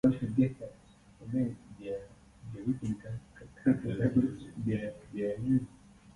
Newport has a second Carnegie Library on Corporation Road.